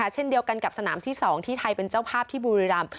เช่นเดียวกันกับสนามที่๒ที่ไทยเป็นเจ้าภาพที่บุรีรำ